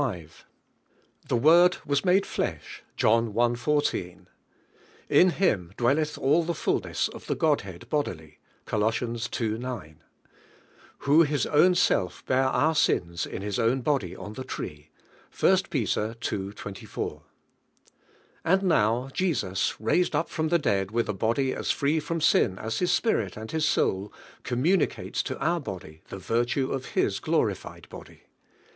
5). "The Word was mode flesh" (John i. 14). "In Him dwelleth all the fulness of the Godhead bodily" (Ool. ii. 9). "Who His own sell bare onr sins in His own body on the tree" (I. Pet. ii. 24). And now Jesus, raised up from the dead with abody as free from sin as His spirit and His soul, com municates to our body the virtue of His glorified body.